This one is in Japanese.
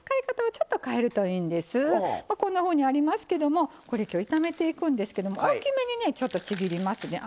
こんなふうにありますけどもこれきょう炒めていくんですけども大きめにねちょっとちぎりますね。